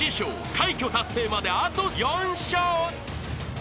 快挙達成まであと４笑］